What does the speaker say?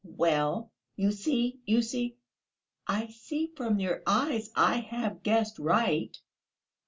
"Well, you see ... you see!... I see from your eyes that I have guessed right!"